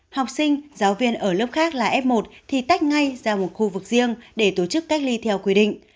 học sinh giáo viên ở lớp khác là f một thì tách ngay ra một khu vực riêng để tổ chức cách ly theo quy định